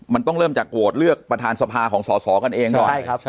มันต้องเริ่มจากโหวตเลือกประธานสภาของสอสอกันเองก่อน